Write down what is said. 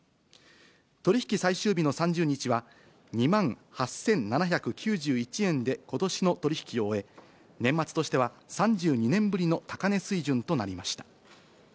取り引き最終日の３０日は、２万８７９１円でことしの取り引きを終え、年末としては３２年ぶりの高値水準となりました。